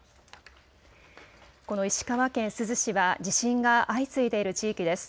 この石川県珠洲市は地震が相次いでいる地域です。